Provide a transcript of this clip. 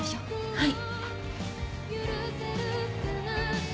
はい。